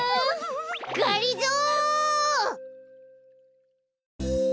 がりぞー！